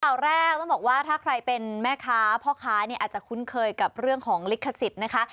ข่าวแรกต้องบอกว่าถ้าใครเป็นแม่ค้าพ่อค้าเนี่ยอาจจะคุ้นเคยกับเรื่องของลิขสิทธิ์นะคะ